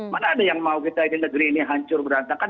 mana ada yang mau kita ini negeri ini hancur berantakan